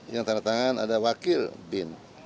yang tanda tangan ada wakil bin